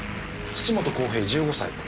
土本公平１５歳。